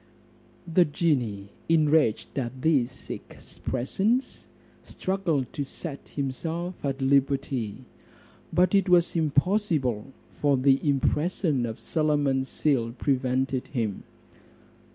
The genie, enraged at these expressions, struggled to set himself at liberty; but it was impossible, for the impression of Solomon's seal prevented him.